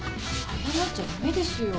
謝っちゃ駄目ですよ。